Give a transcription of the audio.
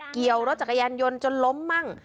เกี่ยวรถจักรยานยนต์จนล้มมั่ง